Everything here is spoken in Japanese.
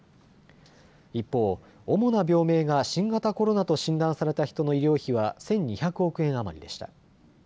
一方、主な病名が新型コロナと診断された人の医療費は１２００億円余りでした。